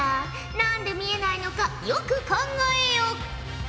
何で見えないのかよく考えよ！